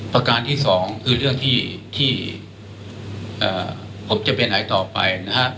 ประการที่สองคือเรื่องที่ผมจะไปไหนต่อไปนะฮะ